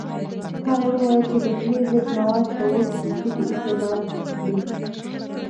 هغه وویل د خولې ضد مواد په وچ پوستکي استعمال کړئ.